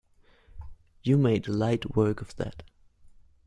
You made light work of that!